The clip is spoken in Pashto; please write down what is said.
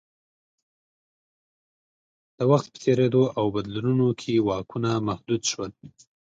د وخت په تېرېدو او بدلونونو کې واکونه محدود شول